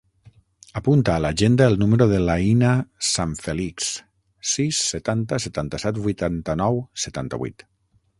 Apunta a l'agenda el número de l'Aïna Sanfelix: sis, setanta, setanta-set, vuitanta-nou, setanta-vuit.